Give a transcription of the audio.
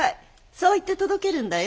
そう言って届けるんだよ。